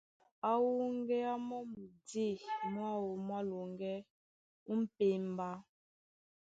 Á wúŋgéá mɔ́ mudî mwáō mwá loŋgɛ́ ó m̀pémbá.